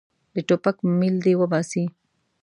د ټوپک میل دې وباسي.